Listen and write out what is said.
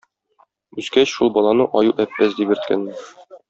Үскәч, шул баланы Аю-Әппәз дип йөрткәннәр.